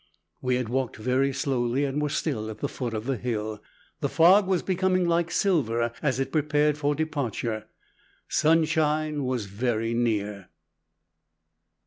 We had walked very slowly and were still at the foot of the hill. The fog was becoming like silver as it prepared for departure. Sunshine was very near.